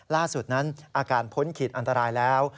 ล่าสุดนั้นอาการพ้นขีดอันตรายแล้ว